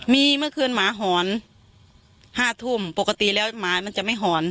มีเมื่อคืนหมาหอน๕ทุ่มปกติแล้วหมามันจะไม่หอน